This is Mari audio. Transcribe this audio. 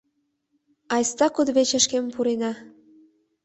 — Айста кудывечышкем пурена.